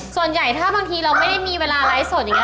ส่วนใหญ่ถ้าบางทีเราไม่ได้มีเวลาไลฟ์สดอย่างนี้